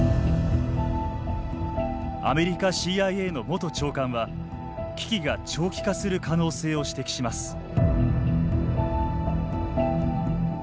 アメリカＣＩＡの元長官は危機が長期化する可能性を指摘します。